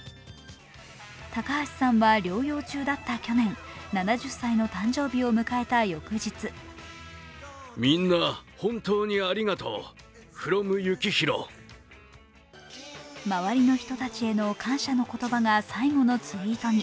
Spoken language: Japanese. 高橋さんは療養中だった去年、７０歳の誕生日を迎えた翌日周りの人たちへの感謝の言葉が最後のツイートに。